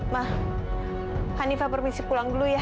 mah hanifah permisi pulang dulu ya